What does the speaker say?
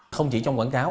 không chỉ trong quảng cáo